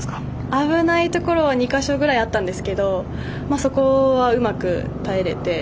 危ないところは２か所くらいあったんですがそこはうまく耐えれて。